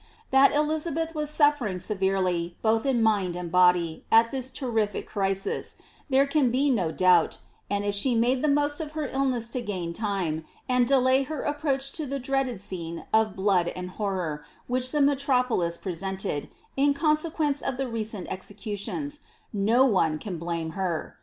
That Elizabeth was suflering isferely, both in mind and body, at this terrific crisis, there can be no kmbt, and if she made the most of her illness to gain time, and delay Mr approach to the dreaded scene of blood and horror, which the me* lopolis presented, in consequence of the recent executions, no one can ibme her.